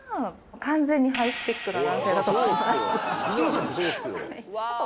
完全にハイスペックな男性だと思います。